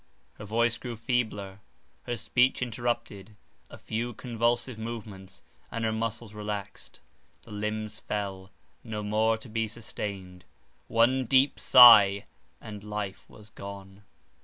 Her voice grew feebler, her speech interrupted; a few convulsive movements, and her muscles relaxed, the limbs fell, no more to be sustained, one deep sigh, and life was gone.